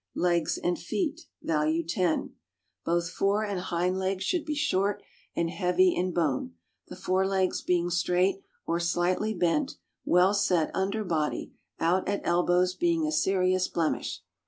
Legs and feet (value 10). — Both fore and hind legs should be short, and heavy in bone; the fore legs being straight, or slightly bent, well set under body — out at elbows being a serious blemish.